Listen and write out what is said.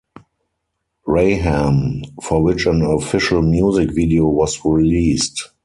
Rahman, for which an official music video was released.